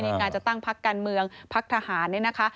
ในการจะตั้งพักการเมืองพักทหารเนี่ยนะคะ